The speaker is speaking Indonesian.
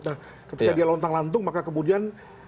nah ketika dia lontang lantung maka kemudian